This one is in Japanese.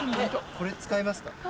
これ使えますか？